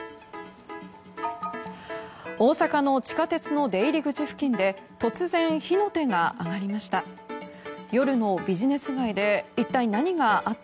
大阪の地下鉄の出入り口付近で突然、火の手が上がりました。